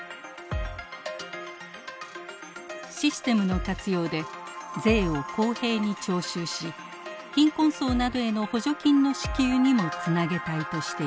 システムの活用で税を公平に徴収し貧困層などへの補助金の支給にもつなげたいとしています。